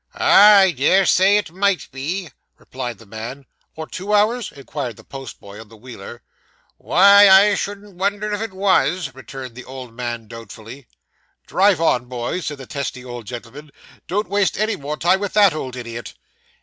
'Ah, I dare say it might be,' replied the man. 'Or two hours?' inquired the post boy on the wheeler. 'Well, I shouldn't wonder if it was,' returned the old man doubtfully. 'Drive on, boys,' cried the testy old gentleman; 'don't waste any more time with that old idiot!